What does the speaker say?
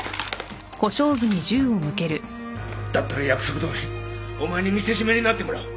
だったら約束どおりお前に見せしめになってもらう。